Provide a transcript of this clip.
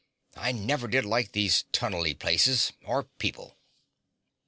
"I never did like these tunnely places or people."